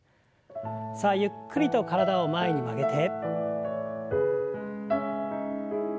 さあゆっくりと体を前に曲げて。